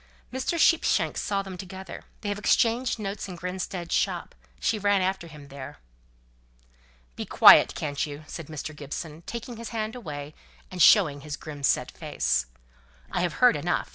"Mr. Sheepshanks saw them together. They have exchanged notes in Grinstead's shop; she ran after him there." "Be quiet, can't you?" said Mr. Gibson, taking his hand away, and showing his grim set face. "I've heard enough.